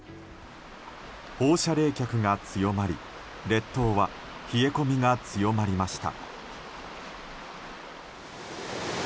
放射冷却が強まり列島は冷え込みが強まりました。